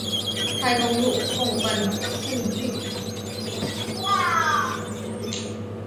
开公路纵贯镇境。